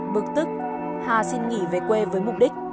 bực tức hà xin nghỉ về quê với mục đích